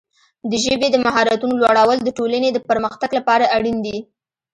د ژبې د مهارتونو لوړول د ټولنې د پرمختګ لپاره اړین دي.